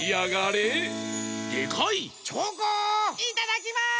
いただきます！